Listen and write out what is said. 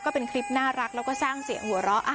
ก็เป็นคลิปน่ารักแล้วก็สร้างเสียงหัวเราะ